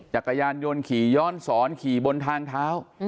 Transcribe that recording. จักรยานยนต์ขี่ย้อนสอนขี่บนทางเท้า